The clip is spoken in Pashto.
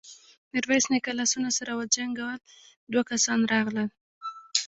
ميرويس نيکه لاسونه سره وجنګول، دوه کسان راغلل.